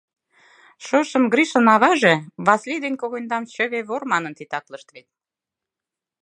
— Шошым Гришын аваже Васлий ден когыньдам чыве вор манын титаклыш вет?